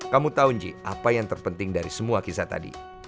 kamu tahu nji apa yang terpenting dari semua kisah tadi